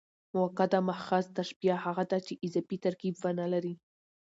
مؤکده محض تشبیه هغه ده، چي اضافي ترکیب و نه لري.